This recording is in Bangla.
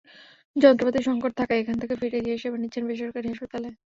যন্ত্রপাতির সংকট থাকায় এখান থেকে ফিরে গিয়ে সেবা নিচ্ছেন বেসরকারি হাসপাতালে।